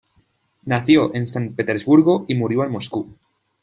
Nació en San Petersburgo y murió en Moscú.